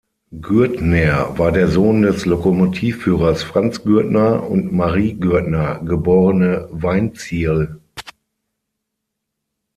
Gürtner war der Sohn des Lokomotivführers Franz Gürtner und Marie Gürtner, geborene Weinzierl.